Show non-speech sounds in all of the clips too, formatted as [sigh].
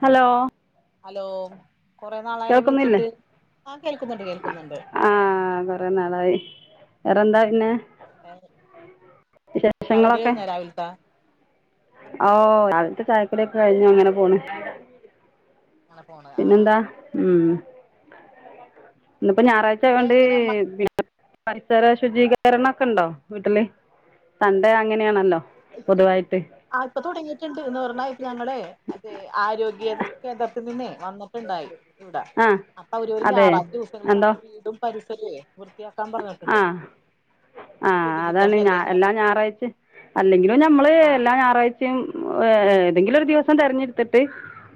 Hello- hello കൊറെ നാളായല്ലോ കേൾക്കുന്നില്ലേ വിളിച്ചിട്ട് ആഹ് കേൾക്കുന്നുണ്ട് കേൾക്കുന്നുണ്ട്- ആഹ് കൊറെ നാളായി വേറെന്താ പിന്നെ? ചായ കുടി വിശേഷങ്ങളൊക്കെ കഴിഞ്ഞോ രാവിലത്ത? ഓ രാവിലത്ത ചായകുടി ഒക്കെ കഴിഞ്ഞു അങ്ങനെ പോണ്- അങ്ങനെ പോണ് ആ ആ പിന്നെന്താ? ഉം ഇന്നിപ്പോ ഞായറാഴ്ച പിന്നെ ആയണ്ട് ഇങ്ങനെ പരിസര ശുചീകരണം ഒക്കെ ഉണ്ടോ വീട്ടില് സൺ‌ഡേ അങ്ങനെയാണല്ലോ? പൊതുവായിട്ട് [inaudible] ആ ഇപ്പൊ തുടങ്ങിയിട്ടുണ്ട് എന്ന് പറഞ്ഞാ ഇപ്പ ഞങ്ങളെ മറ്റേ ആരോഗ്യ കേന്ദ്രത്തിൽ നിന്നെ വന്നിട്ടുണ്ടായി. [unintelligible] ആഹ് അപ്പൊ ഒരു അതെ ഞായറാഴ്ച്ച ദിവസങ്ങളിൽ എന്തോ നമ്മുടെ വീടും പരിസരോം വൃത്തിയാക്കാൻ പറഞ്ഞിട്ട് ആഹ് ണ്ട് കൊതുകിന്റെ ശല്ലിയം കാരണം. ഞായാഴ്ച- അല്ലെങ്കിലും ഞമ്മള് എല്ലാ ആ ഞായറാഴ്ചയും ഏ ഏതെങ്കിലും ഒരു ദിവസം തിരഞ്ഞെടുത്തിട്ട്-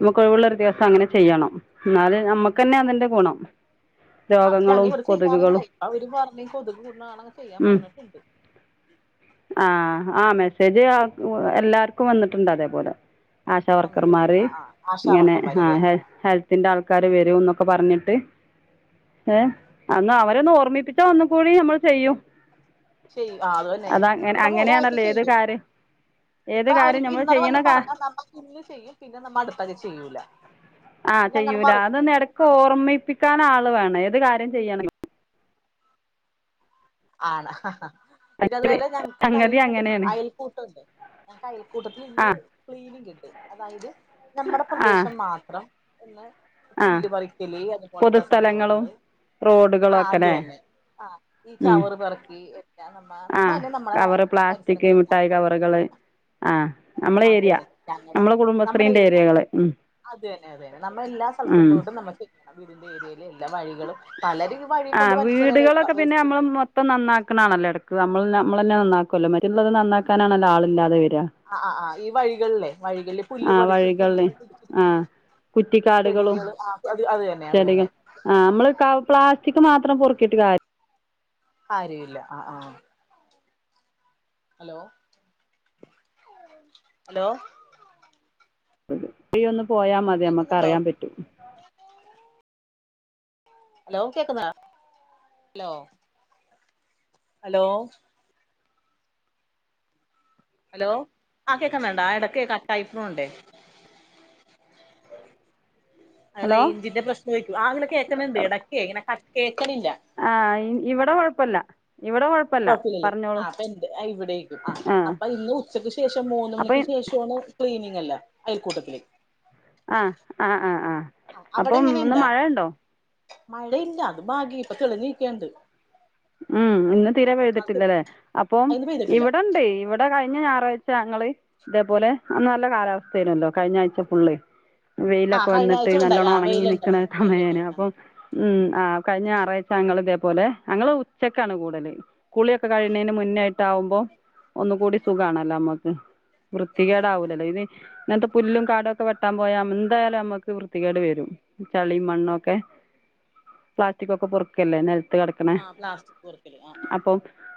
നമുക്ക് ഒഴിവള്ള ഒരു ദിവസം അങ്ങനെ ചെയ്യണം എന്നാല് നമ്മുക്ക് തന്നെ അതിന്റെ ഗുണം. അത് അങ്ങനെ രോഗങ്ങളും ഇവിടെ ചെയ്യാറില്ല കൊതുകുകളും- ഇപ്പ അവര് പറഞ്ഞ കൊതുക് കൂടാണെ ചെയ്യാൻ ഉം പറഞ്ഞിട്ടുണ്ട്- ആഹ് ആഹ് മെസ്സേജ് എല്ലാർക്കും വന്നിട്ടുണ്ട് അതേപോലെ- വന്നിട്ടുണ്ട് ആശാവർക്കർമാര് ആ ആ ആശാ ഇങ്ങനെ വർക്കന്മാര് അത് ആഹ് ഹെൽ തന്നെ ഹെൽത്ത്- ഹെൽത്തിന്റെ ആൾക്കാര് വരും എന്നൊക്കെ പറഞ്ഞിട്ട് ഏ അന്ന് അവരൊന്ന ഓർമ്മിപ്പിച്ച് [unintelligible] നമ്മൾ ചെയ്യും. ചെയ്യും ആഹ് അത് തന്നെ അതങ്ങനെ ഇപ്പൊ നമ്മ ഒരാഴ്ച അങ്ങനെയാണല്ലോ ഏത് ചെയ്യും. കാര്യം ഏത് ഇപ്പൊ കാര്യം അവരിപ്പ നമ്മൾ ഇന്നലെ ചെയ്യണ വന്ന് കാ പറഞ്ഞാൽ നമ്മൾ ഇന്ന് ചെയ്യും പിന്നെ നമ്മൾ അടുത്ത് ചെയ്യൂല- ആഹ് പിന്നെ അങ്ങനെ ചെയ്യൂല മറക്കും അതൊന്ന് ഇടക്ക് ഓർമ്മിപ്പിക്കാൻ ആള് വോണം ഏത് കാര്യം ചെയ്യണെൻങ്കിലും- ആണ് ഹ ഹ ഹ ഇത് അതുപോലെ ഞങ്ങ്ക്ക് ഇന്ന് സംഗതി അയൽക്കൂട്ടത്തിൽ അങ്ങനെയാണ് അയൽക്കൂട്ടം ഉണ്ട്, ഞങ്ങ്ക്ക് അയൽക്കൂട്ടത്തിൽ ആ ഇന്ന് ക്ലീനിങ് ഇണ്ട്, അതായത് നമ്മടെ ആ പ്രദേശം മാത്രം ഒന്ന് ആ പുല്ല് പറിക്കല് അതുപോലത്തെ പൊതുസ്ഥലങ്ങളും സംഭവങ്ങള് ആ അത് തന്നെ, ആഹ് മ് നമ്മ ആഹ് തന്നെ നമ്മളെ കവറ്, പരിസരം പ്ലാസ്റ്റിക്, മിഠായി ക്ലീനാക്കും കവറുകള് ആഹ് നമ്മള അത് ഏരിയ തന്നെ ഞങ്ങടെ നമ്മള കുടുംബശ്രീന്റെ നമ്മുടെ ഏരിയകള് മ് അത് തന്നെ അത് തന്നെ നമ്മള് എല്ലാ സ്ഥലത്തും പോയിട്ടും നമ്മക്ക് ചെയ്യണം വീടിന്റെ ഏരിയയില് എല്ലാ വഴികളും പലര് വഴി കൊണ്ട് വലിചെറിയല് വേസ്റ്റുകൾ. ഇപ്പം നന്നാക്കണാണല്ലോ എടക്ക് നമ്മള് നമ്മൾന്നെ നന്നാക്കുല്ലോ മറ്റുള്ളത് നന്നാക്കാനാണല്ലോ ആള് ഇല്ലാതെ വരിക. ആഹ് ആഹ് ആഹ് ഈ വഴികള്ലേ വഴികളില് പുല്ല് ആ പൊടിച്ചു പുല്ല് വഴികളില് ആ പിടിച്ചെടുക്കുന്ന കുറ്റിക്കാടുകളും ചെടികള് ആഹ് അത് അത് തന്നെ അത് തന്നെ. ആഹ് നമ്മള് ക പ്ലാസ്റ്റിക് മാത്രം പൊറുക്കിയിട്ട് കാ കാര്യം ഇല്ല, ആഹ് ആഹ് ഹലോ ഹലോ [unintelligible] ഒന്ന് പോയാ മതി നമ്മക്ക് കേൾക്കുന്നുണ്ടോ അറിയാൻ പറ്റും. ഹലോ കേക്കുന്ന ഹലോ ഹലോ ഹലോ ആ കേക്കുന്നുണ്ടാ എടക്ക് കട്ടായിപ്പോണ്ടേ. ആ ഹലോ റേഞ്ചിന്റെ പ്രശ്നം ആയിരിക്കും, ആഹ് ഇങ്ങനെ കേക്കണിണ്ട് എടയ്ക്ക് ഇങ്ങനെ കട് കേൾക്കണില്ല. ആഹ് ഇ ഇവടെ കൊഴപ്പല്ല, ഇവടെ കൊഴപ് കുഴപ്പില്ലല്ലേ ആ അപ്പ എന്റെ ഇവിടേക്കും ആഹ് ആ അപ്പ ഇന്ന് ഉച്ചക്ക് ശേഷം മൂന്ന് മണിക്ക് അപ്പം ശേഷ് [unintelligible] ക്ലീനിങ് അല്ലേ അയൽക്കൂട്ടത്തില്. ആഹ് ആഹ് ആ ആ അവിടെ അപ്പം ഇന്ന് ഇങ്ങനിണ്ടാ മഴ ഉണ്ടോ മഴയില്ല അത് ഭാഗ്യ ഇപ്പ തെളിഞ്ഞീക്കണ്ട്. മ് ഇന്ന് തീരെ പെയിതിട്ടില്ലലേ അപ്പോം അയിന്ന് പെയ്തിട്ടില്ല ഇവിടെണ്ട് ഇവട് ടെ കഴിഞ്ഞ ഞായറാഴ്ച ഞങ്ങള് ഇതേപോലെ അന്ന് നല്ല കാലാവസ്ഥ ആയിനല്ലോ കഴിഞ്ഞയാഴ്ച്ച ഫുള്ള്. ആ വെയിലൊക്കെ കഴിഞ്ഞ വന്നിട്ട് ആഴ്ച ഉണ്ടായി നല്ലോണം ആ ഒണങ്ങി വെയിലുണ്ട് നിക്കുന്ന ആ സമയാനു വെയിലുണ്ടായി ആ അപ്പം മ് ആഹ് കഴിഞ്ഞ ഞാറാഴ്ച്ച ഞങ്ങള് ഇതേപോലെ ഞങ്ങള് ഉച്ചക്കാണ് കൂടല്. കുളിയൊക്കെ കഴിയണേന് മുന്നെയായിട്ടാവുമ്പോ ഒന്ന്കൂടി സുഖാണല്ലോ നമ്മക്ക്. വൃത്തികേടാവൂല്ലല്ലോ ഇത് ഇന്നത്തെ പുല്ലും കാടോക്കെ വെട്ടാൻ പോയാ നമ് എന്തായാലും നമ്മക്ക് വൃത്തികേട് വരും. ചളീം മണ്ണൊക്കെ പ്ലാസ്റ്റിക്കൊക്കെ പെറുക്കല്ലേ നെല് ആഹ് പ്ലാസ്റ്റിക് പെറ് അപ്പം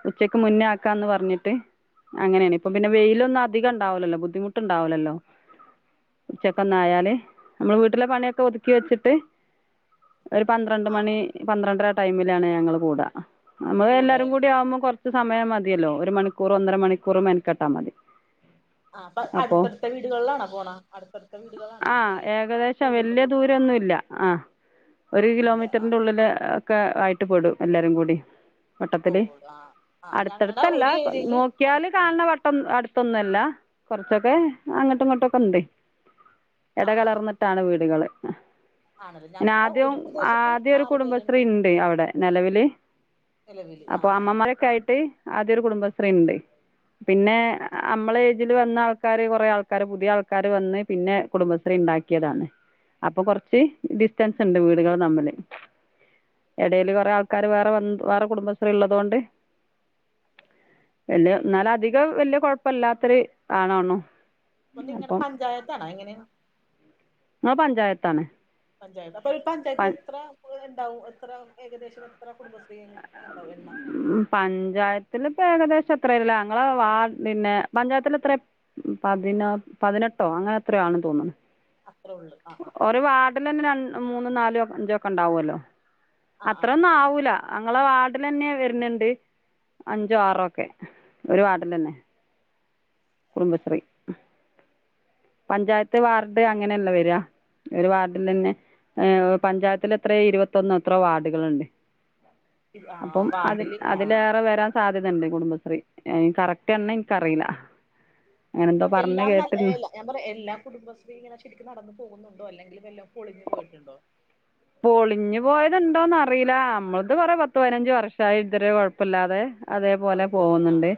ഉച്ചയ്ക്ക് മുന്നേ ആക്കാന്ന് പറഞ്ഞിട്ട് അങ്ങനെയാണ് ഇപ്പം പിന്നെ വെയിലൊന്നധികം ഇണ്ടാവുല്ലല്ലോ ബുദ്ധിമുട്ടുണ്ടാവുല്ലല്ലോ. ഉച്ചക്കൊന്നായാല് നമ്മള് വീട്ടിലെ പണിയൊക്കെ ഒതുക്കി വെച്ചിട്ട് ഒരു പന്ത്രണ്ട് ആ മണി പന്ത്രണ്ടര ടൈമിലാണ് ഞങ്ങള് കൂട. നമ്മള് എല്ലാരും കൂടേല് കൂടി ആവുമ്പോം കൊറച്ച് സമയം മതിയല്ലോ, ഒരു മണിക്കൂറ് ഒന്നര മണിക്കൂറ് മെനക്കെട്ടാ മതി. ആഹ് അപ്പ അപ്പോ അടുത്തടുത്ത വീടുകളിലാണ പോണ, അടുത്തടുത്ത വീടുകളാണ ഈ കൂ വല്യ ദൂരോന്നുല്ല. ആഹ് ഒരു ഇല്ല ആ കിലോമീറ്ററിന്റെ ഉള്ളില് ഒക്കെ ആയിട്ട് പെടും എല്ലാരും കൂടി. വട്ടത്തില് പോകുള്ളൂ ആ ആ ഞങ്ങടെ അടുത്തടുത്തല്ല ഒരു ഏരിയയില് അടു നോക്കിയാല് ആ കാണണ വട് ട്ടം അടുത്തൊന്നു അല്ല, കൊറച്ചൊക്കെ അങ്ങോട്ടും ഇങ്ങോട്ടൊക്കെ ഉണ്ട്, ആ ആ ആ എടകലർന്ന് ട്ടാണ് വീടുകള്, ആണല്ലേ പിന്നെ ഞങ്ങടെ ആദ്യം ഒരു പ്രദേശത്ത് ആദ്യ ഒരു ആറു പേരുണ്ട് കുടുംബശ്രീ ഇണ്ട് അവടെ. നെലവില് നിലവില് ആ അപ്പോ ആ അമ്മമാരൊക്കെ ആയിട്ട് ആദ്യൊരു കുടുംബശ്രീ ഇണ്ട്. പിന്നെ അമ്മള് ഏജിൽ വന്ന ആൾക്കാര് കൊറെ ആൾക്കാര് പുതിയ ആൾക്കാര് വന്ന് പിന്നെ കുടുംബശ്രീ ഇണ്ടാ ക്കിയതാണ്, അപ്പ കൊറച്ച് ഡിസ്റ്റൻസ് ഇണ്ട് വീടുകള് തമ്മില്. എടേല് കൊറെേ ആൾക്കാാര് വേറെ വന് വേറെ കുടുംബശ്രീ ഇള്ളതു കൊണ്ട് [unintelligible] എന്നാല് അധികം വല്യ കൊഴപ്പല്ലാത്തൊര് ആണാണോ. അപ്പോ നിങ്ങടെ പഞ്ചായത്താണോ എങ്ങനെയാണ്. ഞാൻ പഞ്ചായത്താണ്. പഞ്ചായത്ത് അപ്പ പഞ്ചായത്ത് എത്ര ഉണ്ടാവും എത്ര ഏകദേശം എത്ര കുടുംബശ്രീ ഇണ്ടാവും എണ്ണം ഉ പഞ്ചായത്തില് ഇപ്പോ ഏകദേശം എത്രല്ല ഞങ്ങള വാർഡ പിന്നെ പഞ്ചായത്തിലെത്ര പതിന പതിനെട്ടോ അങ്ങനെ എത്രയോ ആണ് തോന്നണ് അത്രേ ഉള്ളൂ ആ ആ ആഹ് ഇപ്പോ തന്നെ മൂന്നും നാലും ഒക്കെ ഉണ്ടാവുമല്ലോ ആ ആ ആ അത്രന്നും ആ ആവൂല ഇപ്പോ തന്നെ വരുന്നുണ്ട് അഞ്ചോ ആറോക്കെ ഒരു വാർഡിൽ തന്നെ കുടുംബശ്രീ. പഞ്ചായത്ത് വാർഡ് അങ്ങനെയല്ലേ വരാ ഒരു വാർഡിലന്നെ പഞ്ചായത്തിൽ എത്രയോ ഇരുപത്തൊന്നോ എത്രയോ വാർഡുകള്ണ്ട് [inaudible] അപ്പം അതി വാർഡില് ആ ആ അതിലേറെ വരാൻ സാധ്യതയണ്ട് കുടുംബശ്രീ കറക്റ്റ് എണ്ണനിക്കറിയില്ല. അങ്ങനെന്തോ അപ്പൊ എല്ലാം നല്ല പറഞ്ഞുകേട്ടിന്ന് എല്ലാ ഞാൻ പറയാ എല്ലാ കുടുംബശ്രീ ഇങ്ങനെ ശരിക്കും നടന്ന് പോകുന്നുണ്ടോ അല്ലെങ്കിൽ വെല്ലോം പൊളിഞ്ഞു പോയിട്ടുണ്ടോ? പൊളിഞ്ഞു പോയത്ണ്ടോന്ന് അറിയില്ല നമ്മളത് പറ പത്ത് പതിനഞ്ച് വർഷ ആയി ഇതുവരെ കൊഴപ്പില്ലാതെ അതേപോലെ കൊഴപ്പമില്ല ആ പോകുന്നുണ്ട് ആ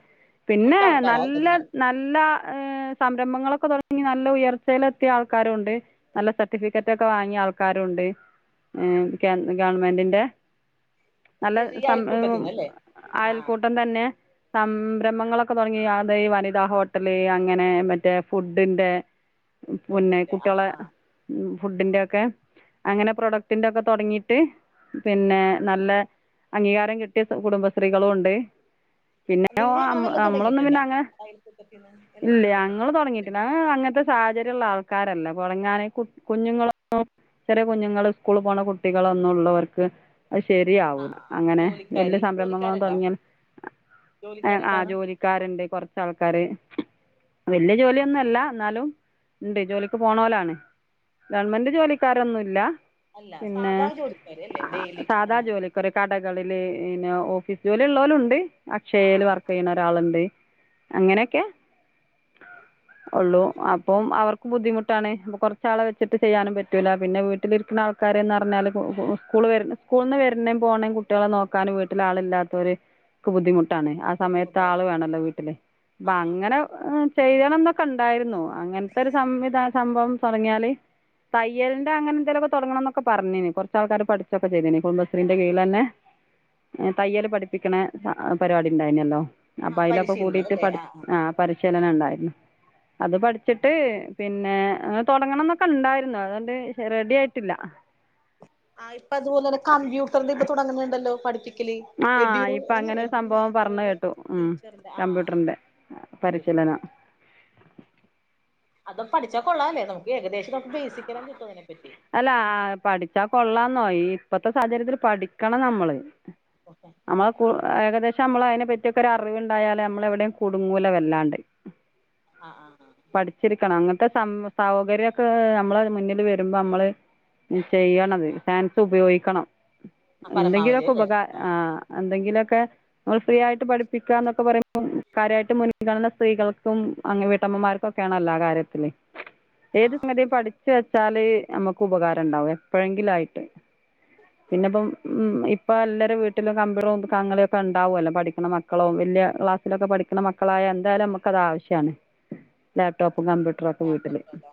പിന്നെ അതുപോലത്തെ ആൾക്കാരാ നല്ല നിങ്ങടെ നല്ല സംരംഭങ്ങളൊക്കെ തുടങ്ങി നല്ല ഉയർച്ചയിലെത്തിയ ആൾക്കാരും ഉണ്ട്. നല്ല സർട്ടിഫിക്കറ്റൊക്കെ വാങ്ങിയ ആൾക്കാരുണ്ട്. എ കേന്ദ്രഗവൺമെന്റിന്റ. നല്ല ഏത് ഈ സമയവും അയൽക്കൂട്ടത്തിന്ന് അല്ലേ ആ ആ അയൽക്കൂട്ടം തന്നെ സംരംഭങ്ങളൊക്കെ തുടങ്ങിയ ഈ വനിതാ ഹോട്ടല് അങ്ങനെ മറ്റേ ഫുഡിന്റെ പിന്നെ കൊണ്ടിട്ട് ആ ആ കുട്ടികളെ. ആ ഫുഡിന്റെ ഒക്കെ അങ്ങനെ പ്രൊഡക്ടിന്റെ ഒക്കെ തുടങ്ങീട്ട്. പിന്നെ നല്ല അംഗീകാരം കിട്ടിയ കുടുംബശ്രീകളും ഉണ്ട്. പിന്നെ ഓ നിങ്ങ അങ്ങ വല്ലോം നമ്മളൊന്നും പിന്നെ തുടങ്ങിയിട്ടുണ്ടോ അങ്ങനെ അയൽക്കൂട്ടത്തിന്ന് വല്ലോം ഇല്ല തുടങ്ങിയിട്ടുണ്ടോ ഞങ്ങൾ തുടങ്ങീട്ടില്ല ആ അങ്ങനത്തെ. സാഹചര്യമുള്ള ആൾക്കാരല്ല തുടങ്ങാനെ കു കുഞ്ഞുങ്ങളും ചെറിയ കുഞ്ഞുങ്ങൾ. സ്കൂളിൽ പോണ കുട്ടികളൊന്നും ഉള്ളവർക്ക്. അത് ആ ശരിയാവൂല ആ ആ അങ്ങനെ വല്യ ജോലിക്കാരി സംരംഭങ്ങളും ജോലിക്കാരുണ്ടോ തുടങ്ങിയാൽ. ആ ജോലിക്കാരുണ്ടാന്ന് ജോലിക്കാരുണ്ട് കൊറച്ച് ആൾക്കാര് ആ ആ വലിയ ആ ജോലി. എന്നല്ല എന്നാലും ഉണ്ട് ജോലിക്ക് പോണോലാണ് ഗവൺമെന്റ് ജോലിക്കാരൊന്നുംല്ല. അല്ല സാധാ ജോലിക്കാര് അല്ലേ ഡെയിലി ആ. കടകളിൽ പിന്നെ ഓഫീസ് ജോലി ഉള്ളോലും ഉണ്ട് ആ ആ അക്ഷയില് ആ വർക്ക് ആ. ചെയ്യണ. ആളുണ്ട് അങ്ങനൊക്കെ ഒള്ളു അപ്പോ അവർ. ബുദ്ധിമുട്ടാണേ അപ്പം കൊറച്ച് ആളെ വെച്ചിട്ട് ചെയ്യാനും പറ്റൂല്ല പിന്നെ വീട്ടിലിരിക്കുന്ന ആൾ. കരയ്ന്ന് പറഞ്ഞാല് സ്‌കൂ സ്കൂൾ വരണ സ്കൂള് നിന്ന് വരുന്നേ പോണേ കുട്ടികളെ നോക്കാനും വീട്ടിൽ ആളില്ലാത്തവരെ. ബുദ്ധിമുട്ടാണ് ആ സമയത്ത് ആൾ ബുദ്ധിമുട്ടായിരിക്കും വേണല്ലോ ആ വീട്ടില് ആ അപ്പൊ ആ അങ്ങനെ. ചെയ്യണം എന്നൊക്കെ ഉണ്ടായിരുന്നു അങ്ങനത്തെ ഒരു സംവിധാ സംഭവം. തൊടങ്ങിയാല് തയ്യലിന്റെ അങ്ങനെ എന്തെലുമൊക്കെ തൊടങ്ങണം. ഒക്കെ പറഞ്ഞീനി കുറച്ചാൾക്കാര് പഠിച്ചൊക്കെ ചെയ്തീനി കുടുംബശ്രീന്റെ കീഴില് തന്നെ. തയ്യല് പഠിപ്പിക്കണ പരിപാടി ഉണ്ടായിനല്ലോ. അപ്പൊ ആ അതിലൊക്കെ പരിശീലനം കൂടിയിട്ട് അല്ലേ പഠി ആ ആ പരിശീലനം ഉണ്ടായിരുന്നു. അത് പഠിച്ചിട്ട് പിന്നെ തൊടങ്ങണം എന്നൊക്കെ ഉണ്ടായിരുന്നു അതിൻ്റെ റെഡി ആയിട്ടില്ല. ആ ഇപ്പൊ അതുപോലന്നെ കമ്പ്യൂട്ടറിന്റെ ഇപ്പ തുടങ്ങുന്നുണ്ടല്ലോ പഠിപ്പി. കല് ആ എടു ഇപ്പൊ അങ്ങനെ ഒരു എഡ്യൂ സംഭവം പറഞ്ഞ കേട്ടു ഉം ടീച്ചറിന്റെ കമ്പ്യൂട്ടറിന്റെ പരിശീലനം അതും പഠിച്ച കൊള്ളാല്ലേ നമുക്ക് ഏകദേശം നമുക്ക് ബേസിക് എല്ലാം കിട്ടും അതിനെപറ്റി. അല്ല പഠിച്ച കൊള്ളാന്നോ ഇപ്പത്തെ സാഹചര്യത്തില് പഠിക്കണം നമ്മള്. ഓക്കേ നമ്മളെ ഏകദേശം നമ്മൾ അതിനെ പറ്റിയൊക്കെ ഒരു അറിവുണ്ടായാലേ നമ്മൾ എവിടെയും കുടുങ്ങൂല വല്ലാണ്ട്. ആഹ് ആഹ് ആഹ്. ച്ചിരിക്കണം അങ്ങനത്തെ സം സൗകര്യമൊക്കെ നമ്മൾ മുന്നിൽ വരും നമ്മള് ചെയ്യണത് ചാൻസ് ഉപയോഗിക്കണം ആ പരമാവധി എന്തെങ്കിലൊക്കെ അല്ലേ ഉപകാരം. ആ എന്തെങ്കിലൊക്കെ. നമ്മൾ ഫ്രീ ആയിട്ട് പഠിപ്പിക്കുക എന്നൊക്കെ പറയുമ്പോൾ കാര്യായിട്ട് മുന്നിൽ കാണുന്ന സ്ത്രീകൾക്കും വീട്ടമ്മമാർക്കും ഒക്കെ. കണല്ലോ ആ കാര്യത്തില് ആ ഏത് ആ സംഗതിയും പഠിച്ച് വെച്ചാല്. നമുക്ക് ഉപകാരം ഉണ്ടാവും എപ്പോഴെങ്കിലും ആയിട്ട്. [unintelligible] പിന്നിപ്പം ഇപ്പം എല്ലാരും വീട്ടിലും കമ്പ്യൂട്ടറും [unintelligible] യൊക്കെ ഉണ്ടാവൂല്ലോ പഠിക്കണ മക്ക. മക്കളും വലിയ ക്ലാസ്സിലൊക്കെ പഠിക്കുന്ന മക്കളായ എന്തായാലും നമുക്ക് അത് ആവശ്യാണ് ലാപ്ടോപ്പും കമ്പ്യൂട്ട. മക്കളൊക്കെ വീട്ടില് ലാപ്ടോപ്പ് അതാ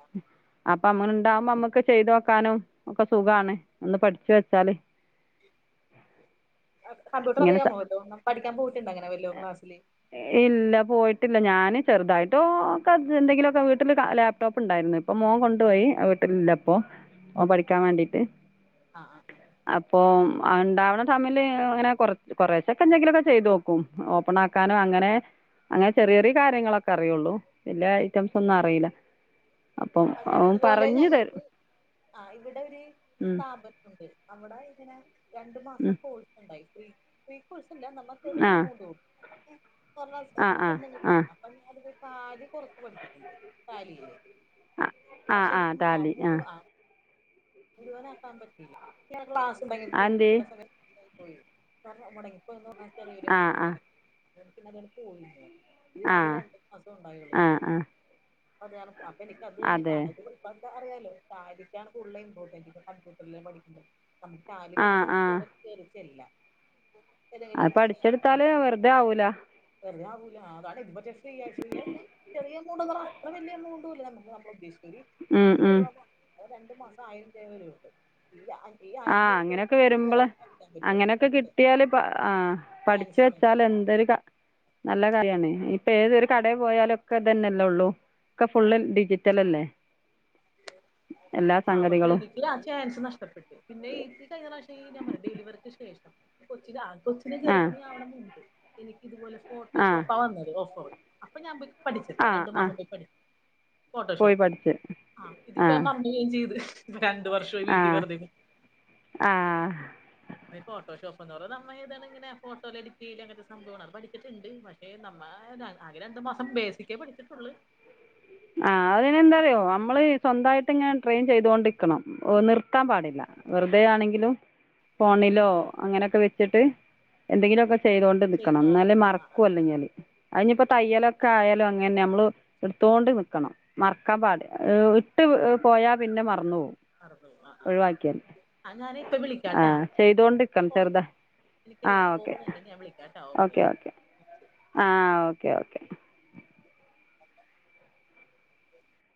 അപ്പം അങ്ങനുണ്ടാവുമ്പോ നമ്മക്ക് ചെയ്ത് നോക്കാനും ഒക്കെ സുഖാണ് ഒന്ന് പഠിച് വെച്ചാല്. കമ്പ്യൂട്ടർ ഇങ്ങനെ സ അറിയാമോ വെല്ലോം പഠിക്കാൻ പോയിട്ടുണ്ടോ അങ്ങനെ വെല്ലോം ക്ലാസ്സില്. ഇല്ല പോയിട്ടില്ല ഞാന് ചെറുതായിട്ടോ ഒക്കെ എന്തെങ്കിലുമൊക്കെ വീട്ടില് ലാ. ലാപ്ടോപ്പ് ഉണ്ടായിരുന്നു ഇപ്പൊ മോൻ കൊണ്ടുപോയി വീട്ടിലില്ല ഇപ്പൊ മോൻ പഠിക്കാൻ വേണ്ടിട്ട്. ആ ആഹ് ആഹ് അപ്പൊ ഉണ്ടാവണ ടമ്മില് അങ്ങനെ കൊറ കൊറെശെക്കെ എന്തെങ്കിലുമൊക്കെ ചെയ്തു നോക്കും. ക്കും ഓപ്പൺ ആക്കാനോ അങ്ങനെ. അങ്ങനെ ചെറിയ ചെറിയ കാര്യങ്ങളൊക്കെ അറിയുള്ളു വലിയ ഐറ്റംസ് ഒന്നും അറിയില്ല. അപ്പം അ അവൻ ഇതുപോലെ പറഞ്ഞ് തരും ഞങ്ങൾക്ക് ആ ഇവിടെ ഒരു ഉം സ്ഥാപനമുണ്ട്. അവിടെ ഇങ്ങനെ രണ്ടു മാസത്തെ ഉം കോഴ്സ് ഉണ്ടായി ഫ്രീ കോഴ്‌സ് അല്ല. അപ്പം ചെറിയ ആ ഒരു എമൗണ്ട് ആവും. കൊറെ ആ ആ പെണ്ണുങ്ങ ആ [unintelligible] അപ്പൊ ഞാന് ടാലി കുറച്ച് പഠിച്ചിട്ടുണ്ട് ടാലിയില്ലേ. ആ ആഹ് ആഹ് താലി [unintelligible] അതെന്തേ കാരണം മുടങ്ങിപ്പോയിന്ന് പറഞ്ഞാ ആ ചെറിയൊരാർ ആ പിന്നെ അതാങ്ങട് പോയിലേ ഈ ആ ആകെ രണ്ട് മാസം ഉണ്ടായൊള്ളു ആ ഇപ്പോ ആ അ അപ്പൊ എനിക്കത് തന്നെ അതെ താങ്ങായ് പ്പോ ഇപ്പ അറിയാലോ ടാലിക്കാണ് കൂടുതൽ ഇമ്പോർട്ടന്റ് ഇ കമ്പ്യൂട്ടറില് പഠിക്കുന്നത് ടാലി ആ പഠിച്ച ആ നമ്മക്ക് എവിടേലും കേറി ചെല്ല. അത് പഠിച്ചെടുത്താല് വെറുതെ ആവൂല വെറതാവൂല്ല അതാണ് ഇപ്പൊ ജസ്റ്റ്‌ ഇയർ ഫ്രീ അല്ല ചെറിയ എമൗണ്ട്ന്ന് പറഞ്ഞ അത്ര വലിയമൗണ്ട് നമക് പ്പൊ നമ്മളുദ്ദേശിക്കല് അഞ്ഞൂറുവാ ആവില്ല കൊട്ത്ത് രണ്ടു മാസം ആയിരംരൂപ വരുള്ളൂ. ഈ ആയിരം ആഹ് രൂപക്ക് അങ്ങനെയൊക്കെ ആര് വേറെ വരുമ്പള് നടത്താൻ പറ്റുമോ അങ്ങനെയൊക്കെ അല്ലേ കിട്ടിയാല് ആഹ് പഠിച്ച് ചാൻസ് ആണത് വെച്ചാൽ എന്തൊരുകാ നല്ലകാര്യാണ് ഇപ്പൊ ഏതൊരു കടയിൽ പോയാലൊക്കെ ഇതന്നെല്ലേ ഉള്ളു. ക്കെ ഫുള്ള് ഡിജിറ്റലല്ലേ എല്ലാ ആ പക്ഷേ സംഗതികളും എനി അല്ല ചാൻസ് നഷ്ടപ്പെട്ട്. പിന്നെ യ്ക്ക് കഴിഞ്ഞ പ്രാവശ്യം ഞാൻപറഞ്ഞില്ലേ ഡെലിവറിക്ക് ശേഷം കൊച്ചിന് ആക്കു ക്ക് ആ ഗർഭിണിയവണൊന്നുണ്ട് എനിക്ക് ഇതുപോലെ ആ ഫോട്ടോഷോപ്പാ വന്നത് ഓഫോൾ അപ്പൊ ഞാൻ ഇത് പഠിച്ചിട്ട ആ രണ്ടു ആ മാസം പോയി പഠി പോയി ഫോട്ടോഷോപ്പ്. പഠിച്ച് ആഹ് ഇതിപ്പോ ഞാൻ മറന്ന് പോവേ ചെയ്ത് രണ്ട് വർഷം ആഹ് ആഹ് ഈ ഫോട്ടോഷോപ്പ് ന്ന് പറഞ്ഞത് നമ്മളെ യ്‌തല് ഈ ഫോട്ടോ എഡിറ്റ് ചെയ്യല് അങ്ങനത്തെ സംഭവമാങ്ങളൊക്കെ പഠിച്ചിട്ടുണ്ട്. ഏഹ് നമ്മ ആകെ രണ്ടു മാസം ബേസിക്കേ പഠിച്ചിട്ടുള്ളു ആ അത് അതിനെന്താറിയോ നമ്മള് സ്വന്തമായിട്ടിങ്ങനെ ട്രൈൻ ചെയ്തൊണ്ടിക്കണം നിർത്താൻ പാടില്ല വെറുതെ ആണെങ്കിലും ഫോണിലോ അങ്ങനെയൊക്കെ വെച്ചിട്ട് എന്തെങ്കിലുമൊക്കെ ചെയ്തോണ്ട് ചെയ്ത് നിക്കണം ന്നാലേ നോക്കണം ആ ആ ആ മറക്കുവല്ലെങ്കി അത് അയിഞ്ഞിപ്പോ തയ്യലൊക്കെ ആയാലും അങ്ങനെന്നേ നമ്മള് ടുത്തോണ്ട് നിക്ക് ക്കണം മറക്കാൻ പാടി ഹ് ഇട്ട് പോയാ പിന്നെ മറന്നു പോകും മറന്നു പോയി ആ ആ ഒഴിവാക്കിയന്നെ, ആ ഞാന് ഇപ്പ വിളിക്കാട്ടാ ആഹ് ചെയ്തോണ്ടിക്കണം കോൾ ചെറുതാ ആ എനിക്കൊരു ഓക്കെ. കോള് വന്നിണ്ട് ഞാൻ വിളിക്കാട്ടാ ഓക്കെ ഓക്കെ ആ ഓക്കേ ഓക്കെ [inaudible]